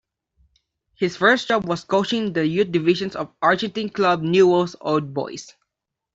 His first job was coaching the youth divisions of Argentine club Newell's Old Boys.